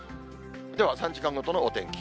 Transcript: では３時間ごとのお天気。